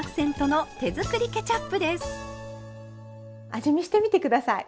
味見してみて下さい。